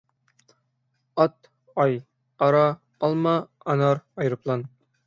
ئات، ئاي، ئارا، ئالما، ئانار، ئايروپىلان.